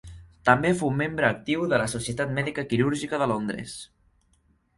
També fou membre actiu de la Societat Mèdica Quirúrgica de Londres.